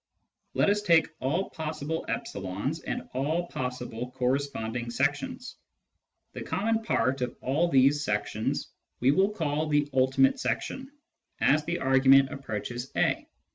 Let us take all possible e's and all possible corresponding sections. The common part of all these sections we will call the " ultimate section " as the argument approaches a.